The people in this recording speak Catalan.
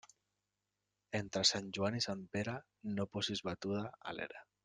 Entre Sant Joan i Sant Pere, no posis batuda a l'era.